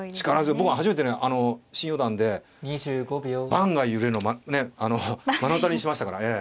僕も初めてねあの新四段で盤が揺れるのをねあの目の当たりにしましたからええ。